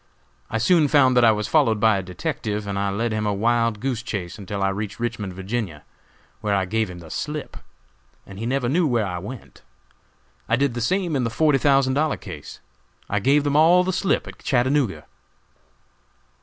I soon found that I was followed by a detective, and I led him a wild goose chase until I reached Richmond, Va., where I gave him the slip, and he never knew where I went. I did the same in the forty thousand dollar case. I gave them all the slip at Chattanooga."